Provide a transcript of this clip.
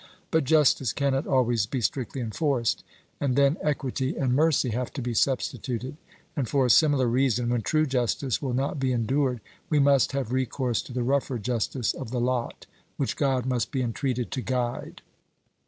But justice cannot always be strictly enforced, and then equity and mercy have to be substituted: and for a similar reason, when true justice will not be endured, we must have recourse to the rougher justice of the lot, which God must be entreated to guide.